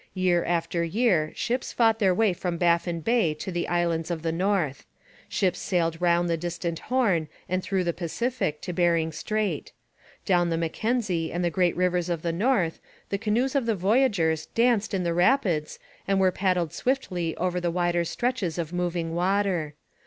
Year after year ships fought their way from Baffin Bay to the islands of the north. Ships sailed round the distant Horn and through the Pacific to Bering Strait. Down the Mackenzie and the great rivers of the north, the canoes of the voyageurs danced in the rapids and were paddled swiftly over the wider stretches of moving water.